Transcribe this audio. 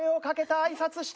挨拶した！